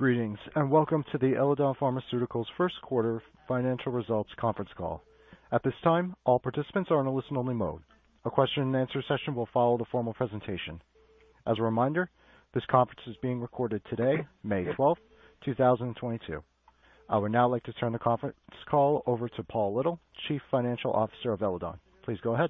Greetings, and welcome to the Eledon Pharmaceuticals first quarter financial results conference call. At this time, all participants are on a listen-only mode. A question and answer session will follow the formal presentation. As a reminder, this conference is being recorded today, May 12th,2022. I would now like to turn the conference call over to Paul Little, Chief Financial Officer of Eledon. Please go ahead.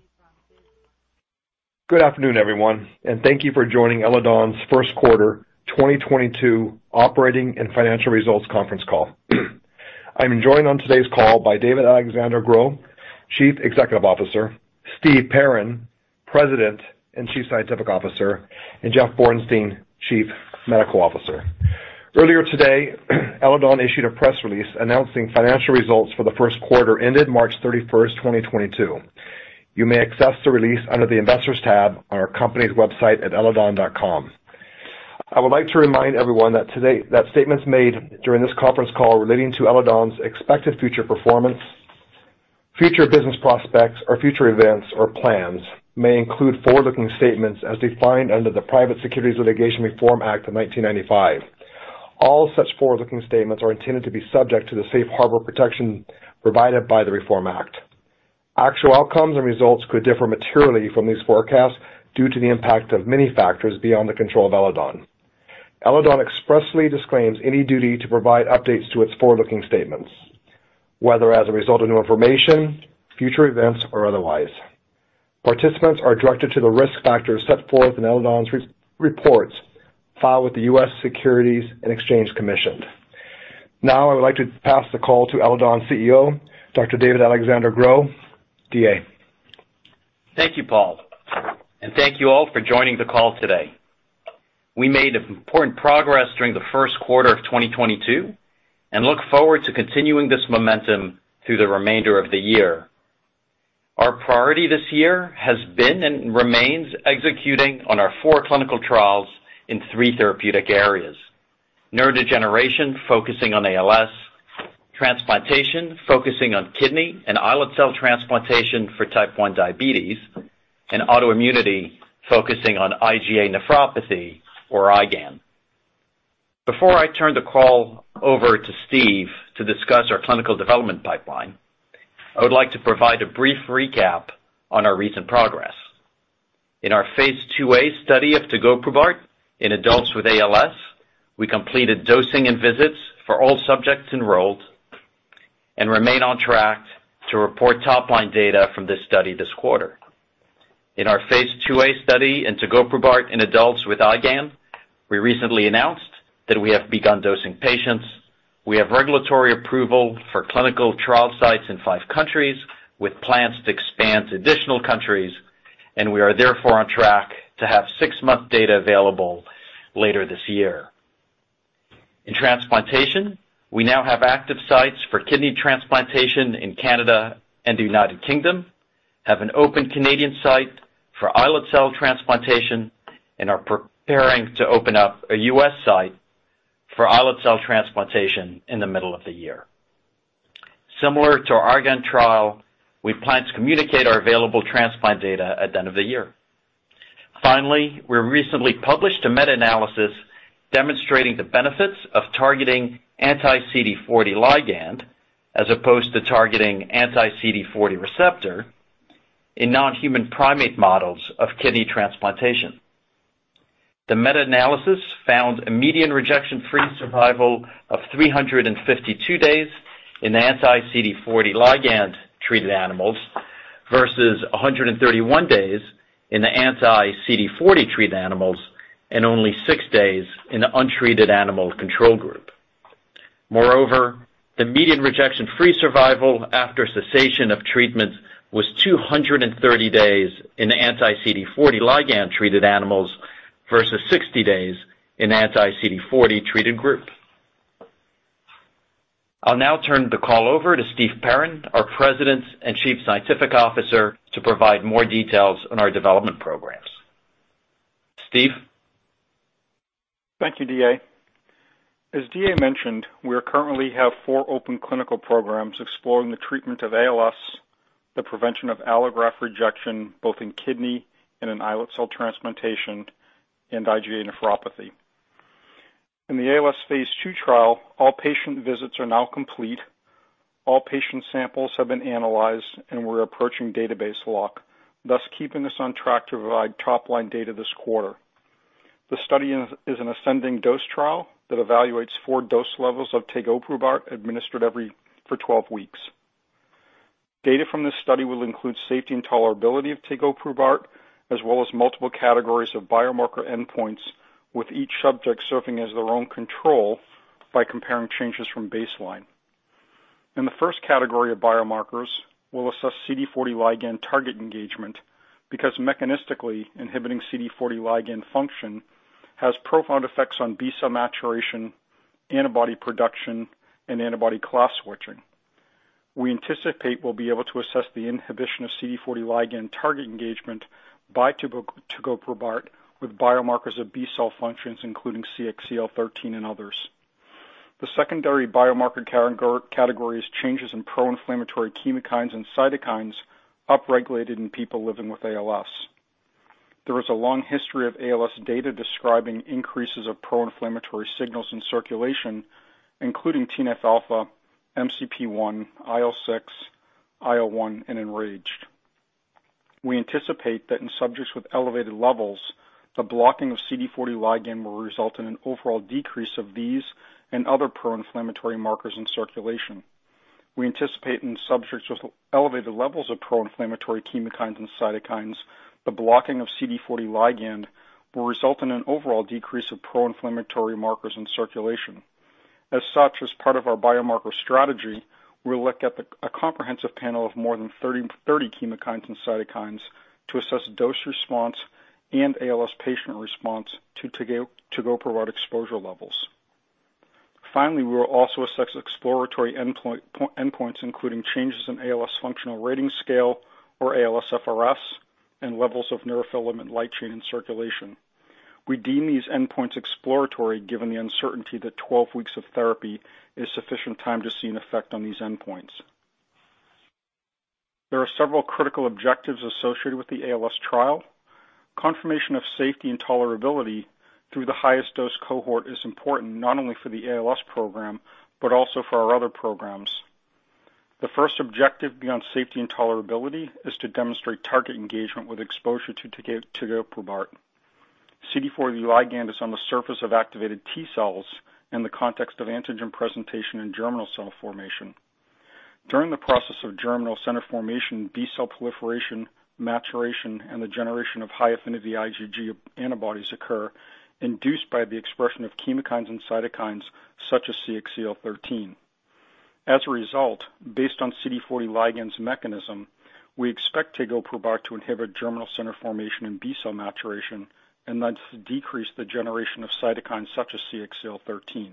Good afternoon, everyone, and thank you for joining Eledon's first quarter 2022 operating and financial results conference call. I'm joined on today's call by David-Alexandre Gros, Chief Executive Officer, Steven Perrin, President and Chief Scientific Officer, and Jeff Bornstein, Chief Medical Officer. Earlier today, Eledon issued a press release announcing financial results for the first quarter ended March 31st, 2022. You may access the release under the Investors tab on our company's website at eledon.com. I would like to remind everyone that statements made during this conference call relating to Eledon's expected future performance, future business prospects, or future events or plans may include forward-looking statements as defined under the Private Securities Litigation Reform Act of 1995. All such forward-looking statements are intended to be subject to the safe harbor protection provided by the Reform Act. Actual outcomes and results could differ materially from these forecasts due to the impact of many factors beyond the control of Eledon. Eledon expressly disclaims any duty to provide updates to its forward-looking statements, whether as a result of new information, future events, or otherwise. Participants are directed to the risk factors set forth in Eledon's recent reports filed with the U.S. Securities and Exchange Commission. Now I would like to pass the call to Eledon's CEO, Dr. David-Alexandre Gros. DA. Thank you, Paul, and thank you all for joining the call today. We made important progress during the first quarter of 2022 and look forward to continuing this momentum through the remainder of the year. Our priority this year has been and remains executing on our four clinical trials in three therapeutic areas, neurodegeneration focusing on ALS, transplantation focusing on kidney and islet cell transplantation for type 1 diabetes, and autoimmunity focusing on IgA nephropathy or IgAN. Before I turn the call over to Steve to discuss our clinical development pipeline, I would like to provide a brief recap on our recent progress. In our phase II-A study of tegoprubart in adults with ALS, we completed dosing and visits for all subjects enrolled and remain on track to report top-line data from this study this quarter. In our phase II-A study in tegoprubart in adults with IgAN, we recently announced that we have begun dosing patients. We have regulatory approval for clinical trial sites in five countries with plans to expand to additional countries, and we are therefore on track to have six-month data available later this year. In transplantation, we now have active sites for kidney transplantation in Canada and the United Kingdom, have an open Canadian site for islet cell transplantation, and are preparing to open up a U.S. site for islet cell transplantation in the middle of the year. Similar to our IgAN trial, we plan to communicate our available transplant data at the end of the year. Finally, we recently published a meta-analysis demonstrating the benefits of targeting anti-CD40 ligand as opposed to targeting anti-CD40 receptor in non-human primate models of kidney transplantation. The meta-analysis found a median rejection-free survival of 352 days in anti-CD40 ligand-treated animals versus 131 days in the anti-CD40 treated animals and only six days in the untreated animal control group. Moreover, the median rejection-free survival after cessation of treatment was 230 days in anti-CD40 ligand-treated animals versus 60 days in anti-CD40 treated group. I'll now turn the call over to Steven Perrin, our President and Chief Scientific Officer, to provide more details on our development programs. Steve? Thank you, DA. As DA mentioned, we currently have four open clinical programs exploring the treatment of ALS, the prevention of allograft rejection, both in kidney and in islet cell transplantation, and IgA nephropathy. In the ALS phase II trial, all patient visits are now complete. All patient samples have been analyzed, and we're approaching database lock, thus keeping us on track to provide top-line data this quarter. The study is an ascending dose trial that evaluates four dose levels of tegoprubart administered for 12 weeks. Data from this study will include safety and tolerability of tegoprubart, as well as multiple categories of biomarker endpoints, with each subject serving as their own control by comparing changes from baseline. In the first category of biomarkers, we'll assess CD40 ligand target engagement because mechanistically inhibiting CD40 ligand function has profound effects on B cell maturation, antibody production, and antibody class switching. We anticipate we'll be able to assess the inhibition of CD40 ligand target engagement by tegoprubart with biomarkers of B cell functions, including CXCL13 and others. The secondary biomarker categories, changes in pro-inflammatory chemokines and cytokines upregulated in people living with ALS. There is a long history of ALS data describing increases of pro-inflammatory signals in circulation, including TNF alpha, MCP1, IL-6, IL-1, and EN-RAGE. We anticipate that in subjects with elevated levels, the blocking of CD40 ligand will result in an overall decrease of these and other pro-inflammatory markers in circulation. We anticipate in subjects with elevated levels of pro-inflammatory chemokines and cytokines, the blocking of CD40 ligand will result in an overall decrease of pro-inflammatory markers in circulation. As such, as part of our biomarker strategy, we'll look at a comprehensive panel of more than 30 chemokines and cytokines to assess dose response and ALS patient response to tegoprubart exposure levels. Finally, we will also assess exploratory endpoints, including changes in ALS functional rating scale or ALSFRS, and levels of neurofilament light chain in circulation. We deem these endpoints exploratory given the uncertainty that 12 weeks of therapy is sufficient time to see an effect on these endpoints. There are several critical objectives associated with the ALS trial. Confirmation of safety and tolerability through the highest dose cohort is important not only for the ALS program, but also for our other programs. The first objective beyond safety and tolerability is to demonstrate target engagement with exposure to tegoprubart. CD40 ligand is on the surface of activated T-cells in the context of antigen presentation and germinal center formation. During the process of germinal center formation, B-cell proliferation, maturation, and the generation of high-affinity IgG antibodies occur, induced by the expression of chemokines and cytokines such as CXCL13. As a result, based on CD40 ligand's mechanism, we expect tegoprubart to inhibit germinal center formation and B-cell maturation and thus decrease the generation of cytokines such as CXCL13.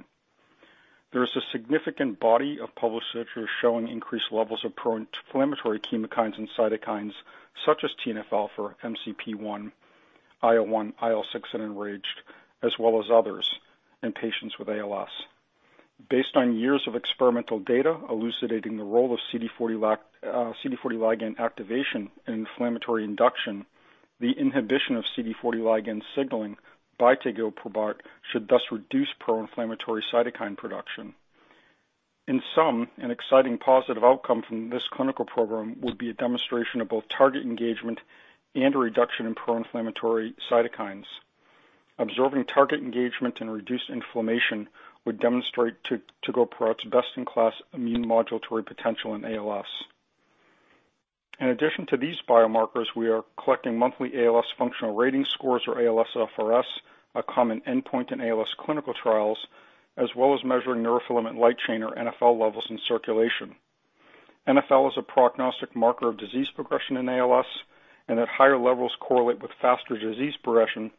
There is a significant body of published literature showing increased levels of pro-inflammatory chemokines and cytokines such as TNF-α, MCP1, IL-1, IL-6, and EN-RAGE, as well as others in patients with ALS. Based on years of experimental data elucidating the role of CD40 ligand activation in inflammatory induction, the inhibition of CD40 ligand signaling by tegoprubart should thus reduce pro-inflammatory cytokine production. In sum, an exciting positive outcome from this clinical program would be a demonstration of both target engagement and a reduction in pro-inflammatory cytokines. Observing target engagement and reduced inflammation would demonstrate tegoprubart's best-in-class immune modulatory potential in ALS. In addition to these biomarkers, we are collecting monthly ALS functional rating scores or ALSFRS, a common endpoint in ALS clinical trials, as well as measuring neurofilament light chain or NfL levels in circulation. NfL is a prognostic marker of disease progression in ALS, and at higher levels correlate with faster disease progression,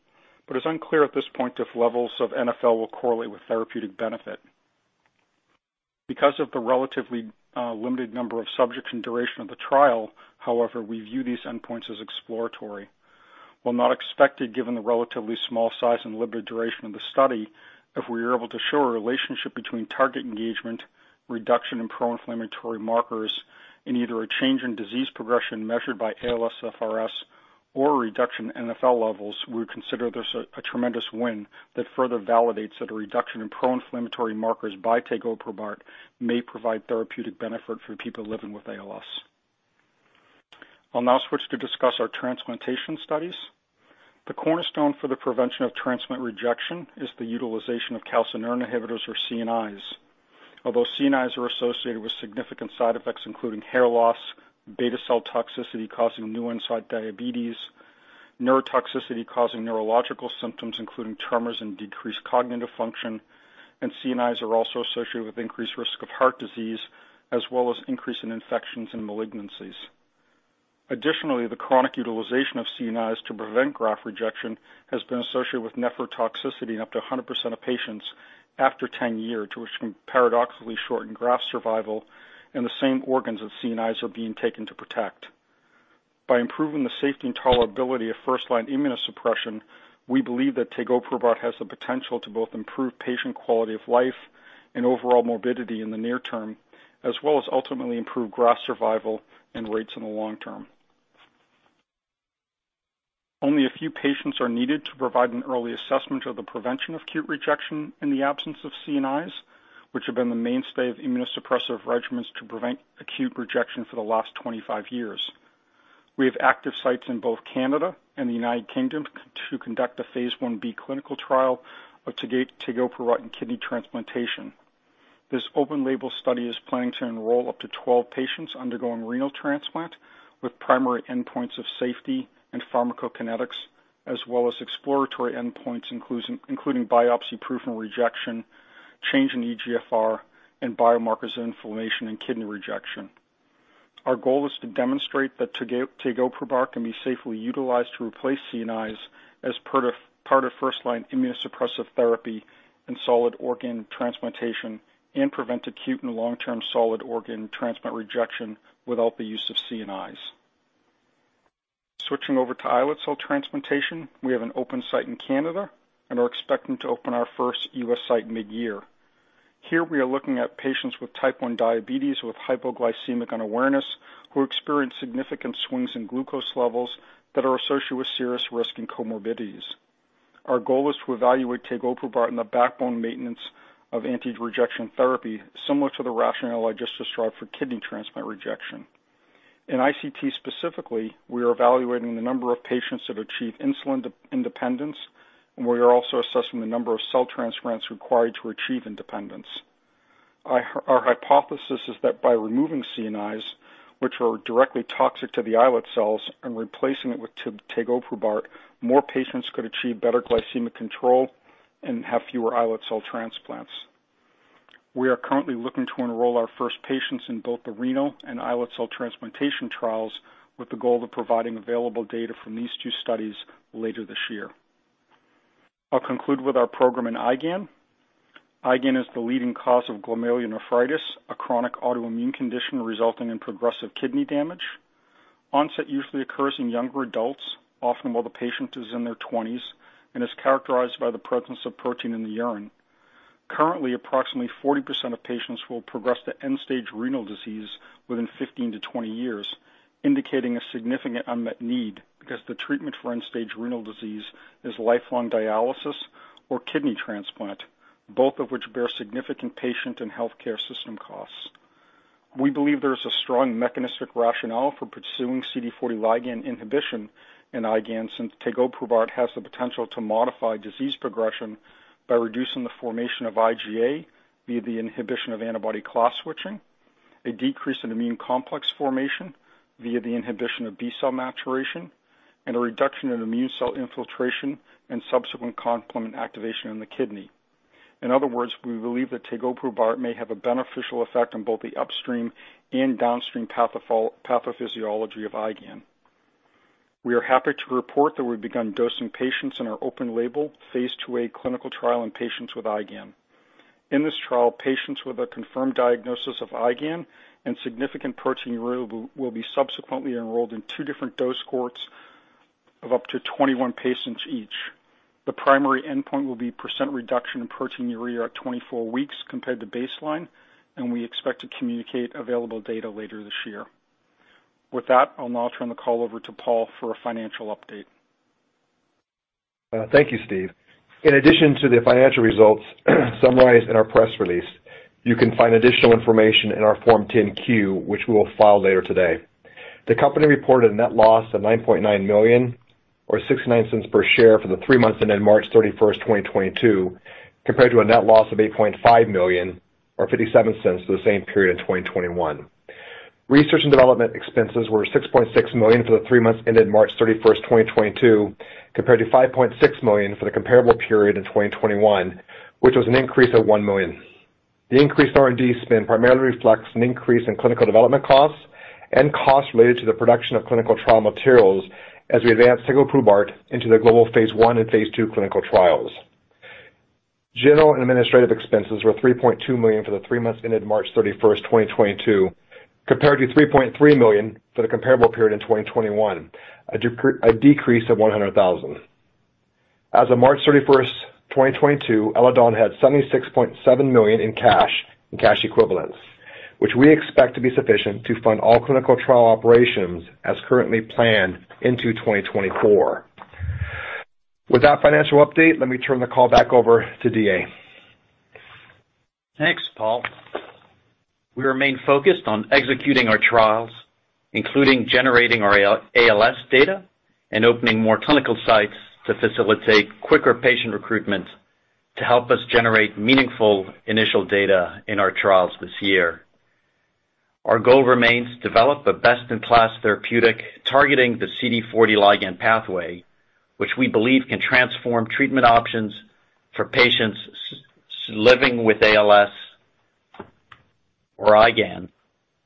but it's unclear at this point if levels of NfL will correlate with therapeutic benefit. Because of the relatively limited number of subjects and duration of the trial, however, we view these endpoints as exploratory. While not expected, given the relatively small size and limited duration of the study, if we are able to show a relationship between target engagement, reduction in pro-inflammatory markers in either a change in disease progression measured by ALSFRS or a reduction in NfL levels, we would consider this a tremendous win that further validates that a reduction in pro-inflammatory markers by tegoprubart may provide therapeutic benefit for people living with ALS. I'll now switch to discuss our transplantation studies. The cornerstone for the prevention of transplant rejection is the utilization of calcineurin inhibitors or CNIs. Although CNIs are associated with significant side effects including hair loss, beta cell toxicity causing new-onset diabetes, neurotoxicity causing neurological symptoms including tremors and decreased cognitive function, and CNIs are also associated with increased risk of heart disease as well as increase in infections and malignancies. Additionally, the chronic utilization of CNIs to prevent graft rejection has been associated with nephrotoxicity in up to 100% of patients after 10 years, which can paradoxically shorten graft survival in the same organs that CNIs are being taken to protect. By improving the safety and tolerability of first-line immunosuppression, we believe that tegoprubart has the potential to both improve patient quality of life and overall morbidity in the near term, as well as ultimately improve graft survival and rates in the long term. Only a few patients are needed to provide an early assessment of the prevention of acute rejection in the absence of CNIs, which have been the mainstay of immunosuppressive regimens to prevent acute rejection for the last 25 years. We have active sites in both Canada and the United Kingdom to conduct a phase I-B clinical trial of tegoprubart in kidney transplantation. This open label study is planning to enroll up to 12 patients undergoing renal transplant with primary endpoints of safety and pharmacokinetics as well as exploratory endpoints including biopsy-proven rejection, change in eGFR, and biomarkers of inflammation and kidney rejection. Our goal is to demonstrate that tegoprubart can be safely utilized to replace CNIs as part of first-line immunosuppressive therapy in solid organ transplantation and prevent acute and long-term solid organ transplant rejection without the use of CNIs. Switching over to islet cell transplantation, we have an open site in Canada and are expecting to open our first U.S. site mid-year. Here we are looking at patients with type 1 diabetes with hypoglycemic unawareness who experience significant swings in glucose levels that are associated with serious risk and comorbidities. Our goal is to evaluate tegoprubart in the backbone maintenance of anti-rejection therapy, similar to the rationale I just described for kidney transplant rejection. In ICT specifically, we are evaluating the number of patients that achieve insulin independence, and we are also assessing the number of cell transplants required to achieve independence. Our hypothesis is that by removing CNIs, which are directly toxic to the islet cells, and replacing it with tegoprubart, more patients could achieve better glycemic control and have fewer islet cell transplants. We are currently looking to enroll our first patients in both the renal and islet cell transplantation trials with the goal of providing available data from these two studies later this year. I'll conclude with our program in IgAN. IgAN is the leading cause of glomerulonephritis, a chronic autoimmune condition resulting in progressive kidney damage. Onset usually occurs in younger adults, often while the patient is in their twenties, and is characterized by the presence of protein in the urine. Currently, approximately 40% of patients will progress to end-stage renal disease within 15-20 years, indicating a significant unmet need because the treatment for end-stage renal disease is lifelong dialysis or kidney transplant, both of which bear significant patient and healthcare system costs. We believe there is a strong mechanistic rationale for pursuing CD40 ligand inhibition in IgAN, since tegoprubart has the potential to modify disease progression by reducing the formation of IgA via the inhibition of antibody class switching, a decrease in immune complex formation via the inhibition of B cell maturation, and a reduction in immune cell infiltration and subsequent complement activation in the kidney. In other words, we believe that tegoprubart may have a beneficial effect on both the upstream and downstream pathophysiology of IgAN. We are happy to report that we've begun dosing patients in our open label Phase 2a clinical trial in patients with IgAN. In this trial, patients with a confirmed diagnosis of IgAN and significant proteinuria will be subsequently enrolled in two different dose cohorts of up to 21 patients each. The primary endpoint will be % reduction in proteinuria at 24 weeks compared to baseline, and we expect to communicate available data later this year. With that, I'll now turn the call over to Paul for a financial update. Thank you, Steve. In addition to the financial results summarized in our press release, you can find additional information in our Form 10-Q, which we will file later today. The company reported a net loss of $9.9 million or $0.69 per share for the three months that ended March 31st, 2022, compared to a net loss of $8.5 million or $0.57 for the same period in 2021. Research and development expenses were $6.6 million for the three months ended March 31st, 2022, compared to $5.6 million for the comparable period in 2021, which was an increase of $1 million. The increased R&D spend primarily reflects an increase in clinical development costs and costs related to the production of clinical trial materials as we advance tegoprubart into the global phase I and phase II clinical trials. General and administrative expenses were $3.2 million for the three months ended March 31st, 2022, compared to $3.3 million for the comparable period in 2021, a decrease of $100,000. As of March 31st, 2022, Eledon had $76.7 million in cash and cash equivalents, which we expect to be sufficient to fund all clinical trial operations as currently planned into 2024. With that financial update, let me turn the call back over to DA. Thanks, Paul. We remain focused on executing our trials, including generating our ALS data and opening more clinical sites to facilitate quicker patient recruitment to help us generate meaningful initial data in our trials this year. Our goal remains to develop a best-in-class therapeutic targeting the CD40 ligand pathway, which we believe can transform treatment options for patients living with ALS or IgAN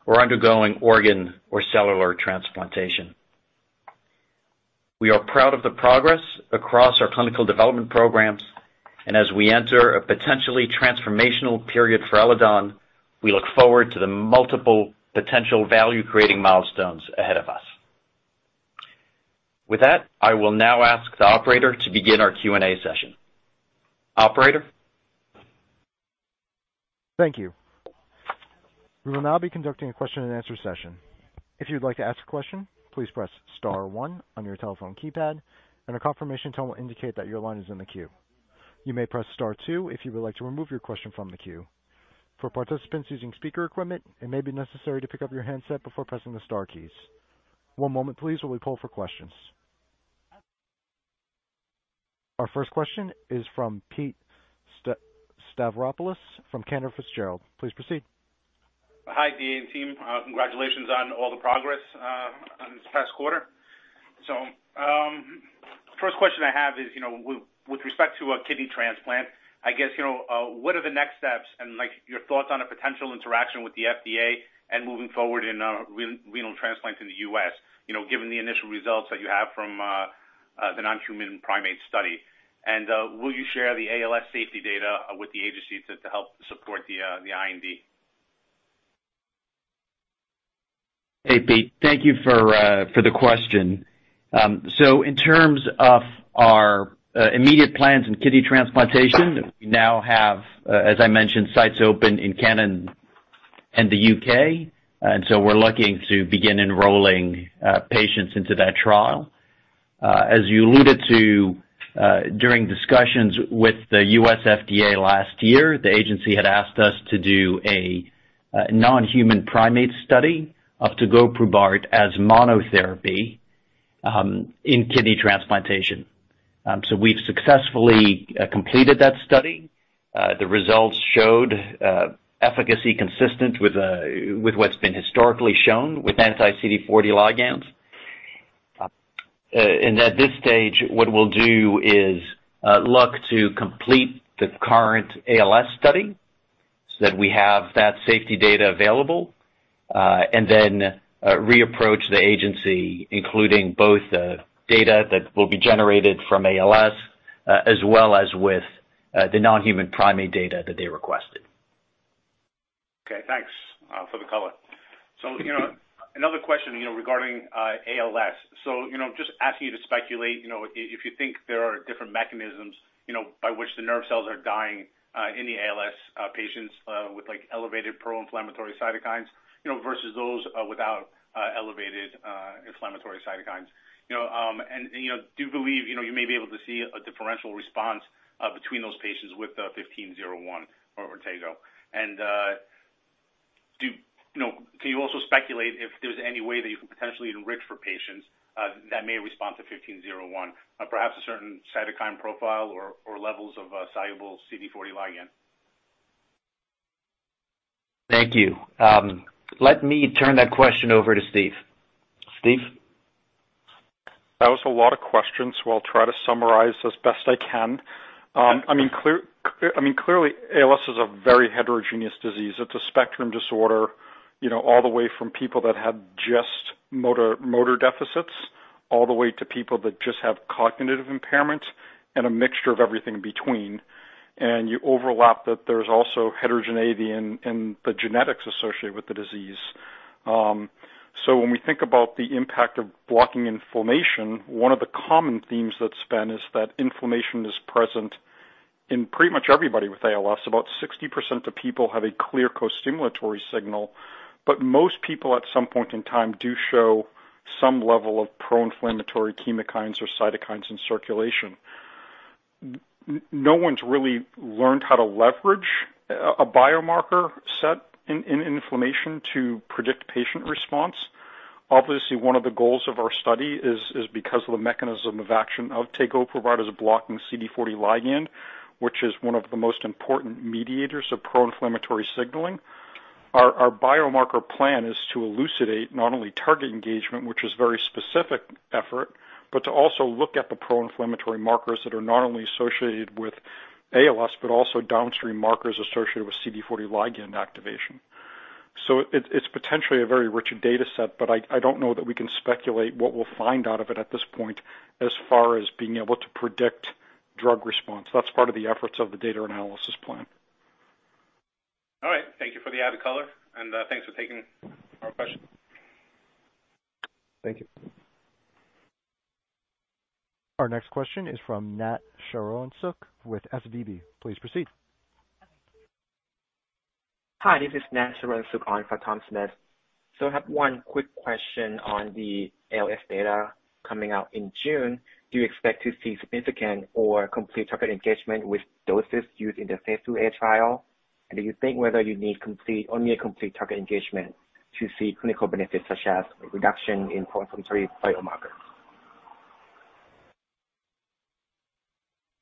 or undergoing organ or cellular transplantation. We are proud of the progress across our clinical development programs. As we enter a potentially transformational period for Eledon, we look forward to the multiple potential value-creating milestones ahead of us. With that, I will now ask the operator to begin our Q&A session. Operator? Thank you. We will now be conducting a question-and-answer session. If you'd like to ask a question, please press star one on your telephone keypad, and a confirmation tone will indicate that your line is in the queue. You may press star two if you would like to remove your question from the queue. For participants using speaker equipment, it may be necessary to pick up your handset before pressing the star keys. One moment please while we poll for questions. Our first question is from Pete Stavropoulos from Cantor Fitzgerald. Please proceed. Hi, DA and team. Congratulations on all the progress on this past quarter. First question I have is, you know, with respect to a kidney transplant, I guess, you know, what are the next steps and, like, your thoughts on a potential interaction with the FDA and moving forward in renal transplant in the U.S., you know, given the initial results that you have from the non-human primate study. Will you share the ALS safety data with the agency to help support the IND? Hey, Pete, thank you for the question. In terms of our immediate plans in kidney transplantation, we now have, as I mentioned, sites open in Canada and the U.K. We're looking to begin enrolling patients into that trial. As you alluded to, during discussions with the U.S. FDA last year, the agency had asked us to do a non-human primate study of tegoprubart as monotherapy in kidney transplantation. We've successfully completed that study. The results showed efficacy consistent with what's been historically shown with anti-CD40 ligands. At this stage, what we'll do is look to complete the current ALS study so that we have that safety data available, and then re-approach the agency, including both the data that will be generated from ALS, as well as with the non-human primate data that they requested. Okay, thanks for the color. You know, another question regarding ALS. You know, just asking you to speculate if you think there are different mechanisms by which the nerve cells are dying in the ALS patients with like elevated pro-inflammatory cytokines, you know, versus those without elevated inflammatory cytokines. You know, do you believe you know you may be able to see a differential response between those patients with 1501 or tego? Can you also speculate if there's any way that you can potentially enrich for patients that may respond to 1501, perhaps a certain cytokine profile or levels of soluble CD40 ligand? Thank you. Let me turn that question over to Steve. Steve? That was a lot of questions, so I'll try to summarize as best I can. Clearly ALS is a very heterogeneous disease. It's a spectrum disorder, you know, all the way from people that have just motor deficits, all the way to people that just have cognitive impairment and a mixture of everything between. You overlap that there's also heterogeneity in the genetics associated with the disease. When we think about the impact of blocking inflammation, one of the common themes that's been is that inflammation is present in pretty much everybody with ALS. About 60% of people have a clear co-stimulatory signal, but most people at some point in time do show some level of pro-inflammatory chemokines or cytokines in circulation. No one's really learned how to leverage a biomarker set in inflammation to predict patient response. Obviously, one of the goals of our study is because of the mechanism of action of tegoprubart as a blocking CD40 ligand, which is one of the most important mediators of pro-inflammatory signaling. Our biomarker plan is to elucidate not only target engagement, which is very specific effort, but to also look at the pro-inflammatory markers that are not only associated with ALS, but also downstream markers associated with CD40 ligand activation. So it's potentially a very rich data set, but I don't know that we can speculate what we'll find out of it at this point as far as being able to predict drug response. That's part of the efforts of the data analysis plan. All right. Thank you for the added color, and, thanks for taking our question. Thank you. Our next question is from Nat Charoensook with SVB. Please proceed. Hi, this is Nat Charoensook on for Tom Smith. I have one quick question on the ALS data coming out in June. Do you expect to see significant or complete target engagement with doses used in the phase II-A trial? Do you think whether you need only a complete target engagement to see clinical benefits such as reduction in pro-inflammatory biomarkers?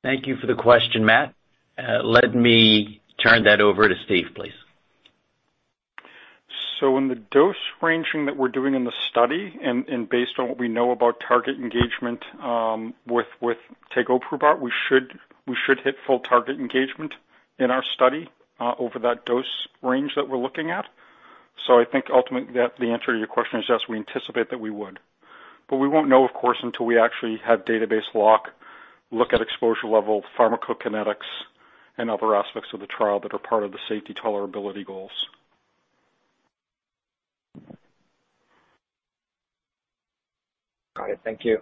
Thank you for the question, Matt. Let me turn that over to Steve, please. In the dose ranging that we're doing in the study and based on what we know about target engagement, with tegoprubart, we should hit full target engagement in our study over that dose range that we're looking at. I think ultimately the answer to your question is yes, we anticipate that we would. We won't know, of course, until we actually have database lock, look at exposure level, pharmacokinetics, and other aspects of the trial that are part of the safety tolerability goals. Got it. Thank you.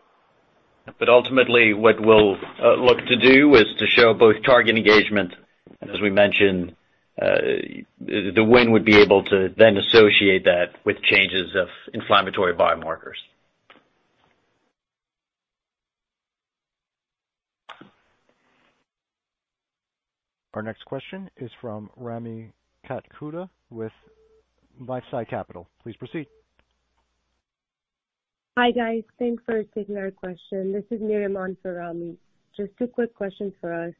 Ultimately, what we'll look to do is to show both target engagement, and as we mentioned, the win would be able to then associate that with changes of inflammatory biomarkers. Our next question is from Rami Katkhuda with LifeSci Capital. Please proceed. Hi, guys. Thanks for taking our question. This is Myriam for Rami. Just two quick questions for us.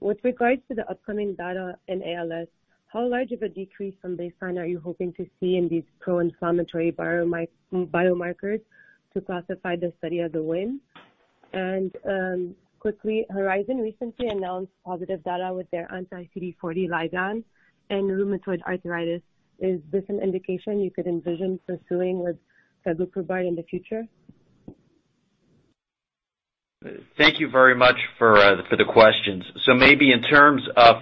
With regards to the upcoming data in ALS, how large of a decrease from baseline are you hoping to see in these pro-inflammatory biomarkers to classify the study as a win? And, quickly, Horizon recently announced positive data with their anti-CD40 ligand and rheumatoid arthritis. Is this an indication you could envision pursuing with tegoprubart in the future? Thank you very much for the questions. Maybe in terms of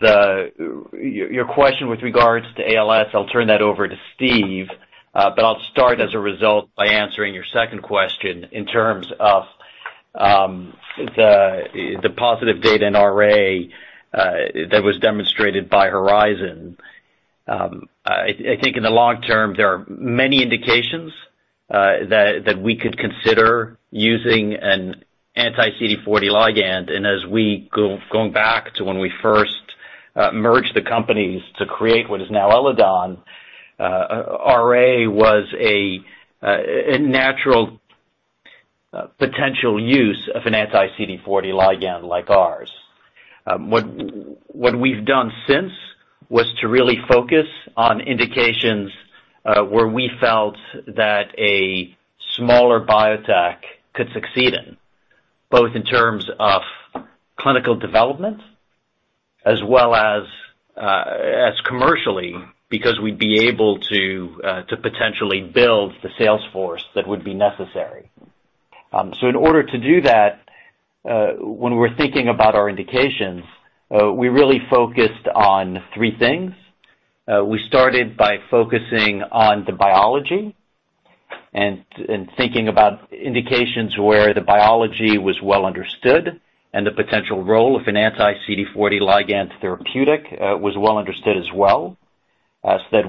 your question with regards to ALS, I'll turn that over to Steve. I'll start as a result by answering your second question in terms of the positive data in RA that was demonstrated by Horizon Therapeutics. I think in the long term, there are many indications that we could consider using an anti-CD40 ligand. As we go back to when we first merged the companies to create what is now Eledon, RA was a natural potential use of an anti-CD40 ligand like ours. What we've done since was to really focus on indications where we felt that a smaller biotech could succeed in, both in terms of clinical development as well as commercially, because we'd be able to to potentially build the sales force that would be necessary. In order to do that, when we're thinking about our indications, we really focused on three things. We started by focusing on the biology and thinking about indications where the biology was well understood and the potential role of an anti-CD40 ligand therapeutic was well understood as well, so that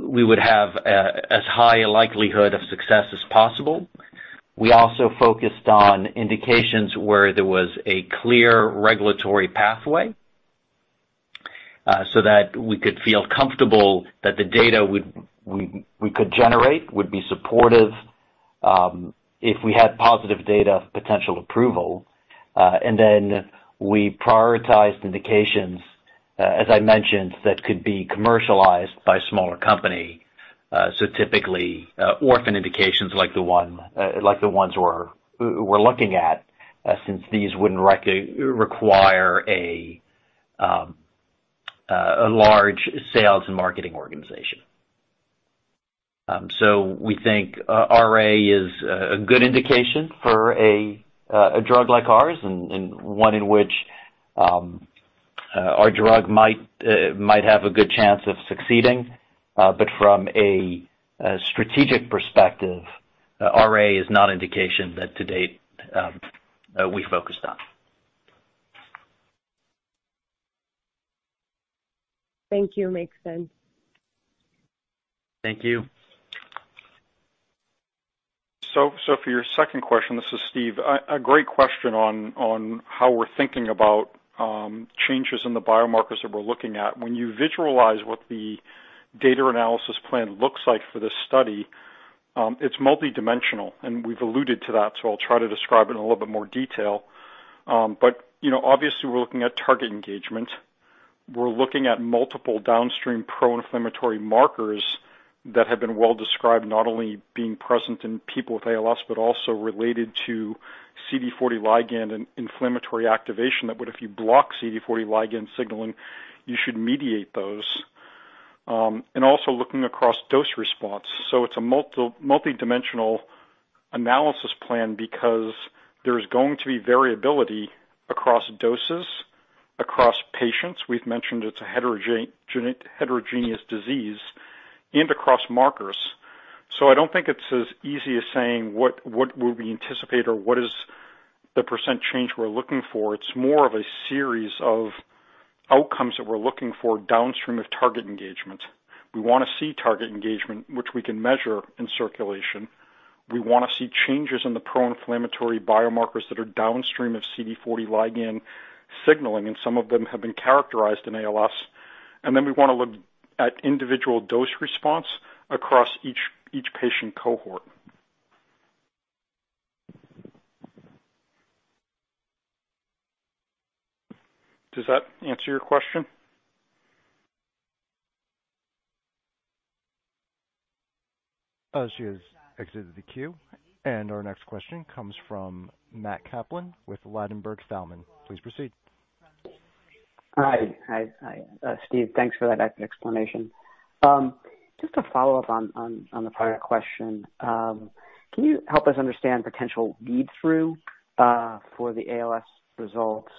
we would have as high a likelihood of success as possible. We also focused on indications where there was a clear regulatory pathway, so that we could feel comfortable that the data would. We could generate would be supportive if we had positive data, potential approval. We prioritized indications, as I mentioned, that could be commercialized by a smaller company. Typically, orphan indications like the ones we're looking at, since these wouldn't require a large sales and marketing organization. We think RA is a good indication for a drug like ours and one in which our drug might have a good chance of succeeding. From a strategic perspective, RA is not indication that to date we focused on. Thank you. Makes sense. Thank you. For your second question, this is Steve. A great question on how we're thinking about changes in the biomarkers that we're looking at. When you visualize what the data analysis plan looks like for this study, it's multidimensional, and we've alluded to that, so I'll try to describe it in a little bit more detail. You know, obviously we're looking at target engagement. We're looking at multiple downstream pro-inflammatory markers that have been well described not only being present in people with ALS, but also related to CD40 ligand and inflammatory activation that would, if you block CD40 ligand signaling, you should mediate those. Also looking across dose response. It's a multidimensional analysis plan because there is going to be variability across doses, across patients, we've mentioned it's a heterogeneous disease, and across markers. I don't think it's as easy as saying what will we anticipate or what is the percent change we're looking for. It's more of a series of outcomes that we're looking for downstream of target engagement. We wanna see target engagement, which we can measure in circulation. We wanna see changes in the pro-inflammatory biomarkers that are downstream of CD40 ligand signaling, and some of them have been characterized in ALS. Then we wanna look at individual dose response across each patient cohort. Does that answer your question? She has exited the queue. Our next question comes from Matt Kaplan with Ladenburg Thalmann. Please proceed. Hi, Steve. Thanks for that explanation. Just to follow up on the prior question. Can you help us understand potential read-through for the ALS results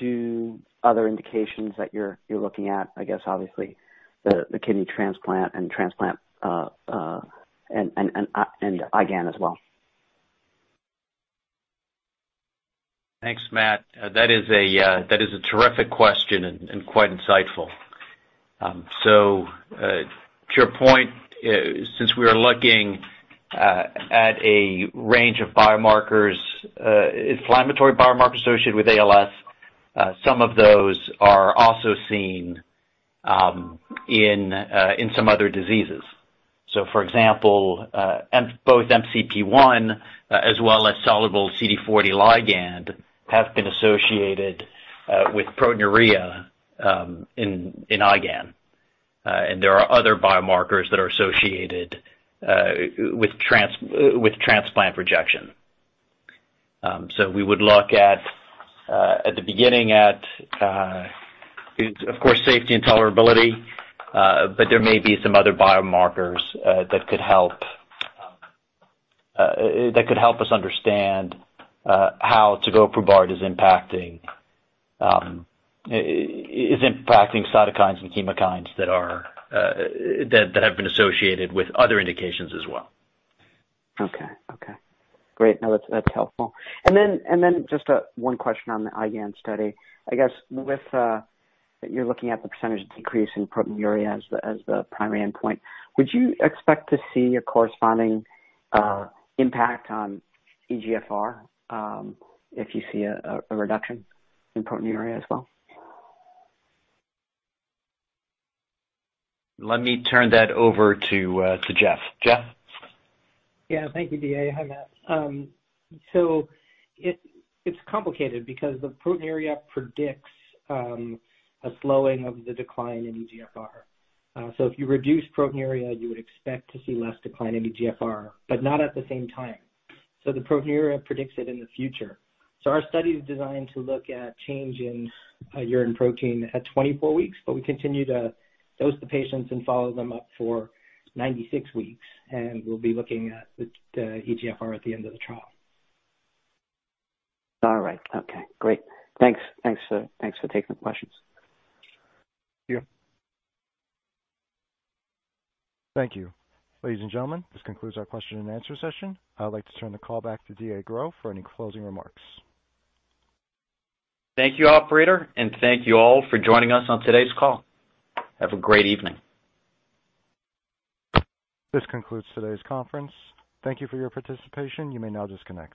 to other indications that you're looking at? I guess obviously the kidney transplant and transplant and IgAN as well. Thanks, Matt. That is a terrific question and quite insightful. To your point, since we are looking at a range of biomarkers, inflammatory biomarkers associated with ALS, some of those are also seen in some other diseases. For example, both MCP-1 as well as soluble CD40 ligand have been associated with proteinuria in IgAN. There are other biomarkers that are associated with transplant rejection. We would look at the beginning, of course, safety and tolerability. There may be some other biomarkers that could help us understand how tegoprubart is impacting cytokines and chemokines that have been associated with other indications as well. Okay. Okay, great. No, that's helpful. One question on the IgAN study. I guess with you're looking at the percentage decrease in proteinuria as the primary endpoint, would you expect to see a corresponding impact on eGFR, if you see a reduction in proteinuria as well? Let me turn that over to Jeff. Jeff? Yeah, thank you, DA. Hi, Matt. It's complicated because the proteinuria predicts a slowing of the decline in eGFR. If you reduce proteinuria, you would expect to see less decline in eGFR, but not at the same time. The proteinuria predicts it in the future. Our study is designed to look at change in urine protein at 24 weeks, but we continue to dose the patients and follow them up for 96 weeks, and we'll be looking at the eGFR at the end of the trial. All right. Okay, great. Thanks for taking the questions. Yeah. Thank you. Ladies and gentlemen, this concludes our question-and-answer session. I would like to turn the call back to DA Gros for any closing remarks. Thank you, operator, and thank you all for joining us on today's call. Have a great evening. This concludes today's conference. Thank you for your participation. You may now disconnect.